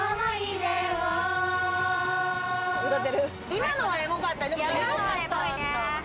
今のはエモかったね。